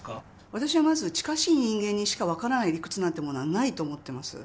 私はまず、近しい人間にしか分からない理屈なんてものはないと思ってます。